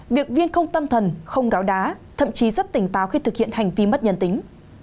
việc viên không tâm thần không gáo đá thậm chí rất tỉnh táo khi thực hiện hành vi mất nhân tính